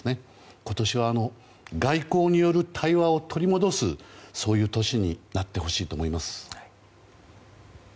今年は外交による対話を取り戻すそういう年になってほしいと思います。